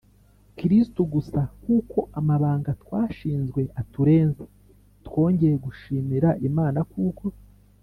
kristu gusa kuko amabanga twashinzwe aturenze. twongeye gushimira imana kuko